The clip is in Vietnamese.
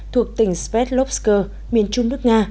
thuộc tỉnh svetlovske miền trung nước nga